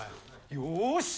よし！